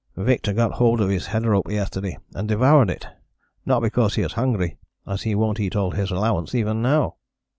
"Victor got hold of his head rope yesterday, and devoured it: not because he is hungry, as he won't eat all his allowance even now."